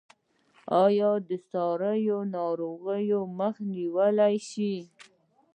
آیا د ساري ناروغیو مخه نیول شوې؟